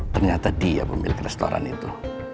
ternyata dia pemilik restoran itu